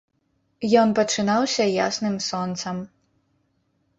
Ён пачынаўся ясным сонцам.